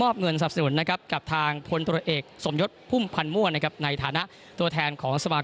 มอบเงินกับทางพลตัวเอกสมยทฯผู้พันมวลในฐานถัวแทนของสมาคมขีลาฟุตบอลแห่งประเทศทายนะครับ